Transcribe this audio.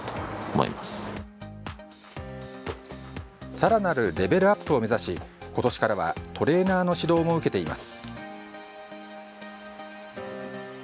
さらなるレベルアップを目指し今年からはトレーナーの指導も受けています。